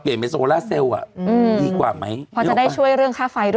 พอจะได้ช่วยเรื่องค่าไฟดิ